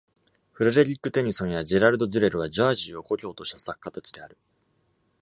フレデリック・テニソンやジェラルド・デュレルは、ジャージーを故郷とした作家たちである。